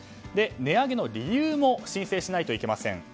値上げの理由も申請しないといけません。